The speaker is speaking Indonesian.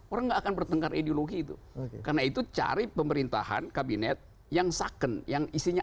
orang nggak akan bertengkar ideologi itu karena itu cari pemerintahan kabinet yang second yang isinya